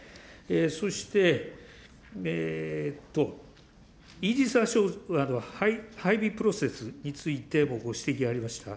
そして、イージス・アショアの配備プロセスについてもご指摘がありました。